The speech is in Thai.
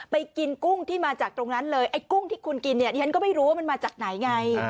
ไปกินกุ้งที่มาจากตรงนั้นเลยไอ้กุ้งที่คุณกินเนี่ยดิฉันก็ไม่รู้ว่ามันมาจากไหนไง